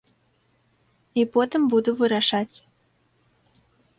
І потым буду вырашаць.